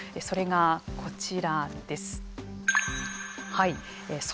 それがこちらです。